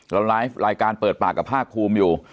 เราไลฟ์รายการเปิดปากกับภาคคลุมอยู่